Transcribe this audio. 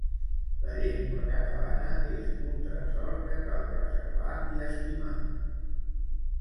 La llengua catalana és un tresor que cal preservar i estimar.